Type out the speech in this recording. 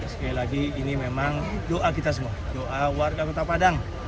sekali lagi ini memang doa kita semua doa warga kota padang